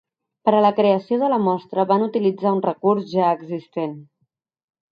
Per a la creació de la mostra van utilitzar un recurs ja existent.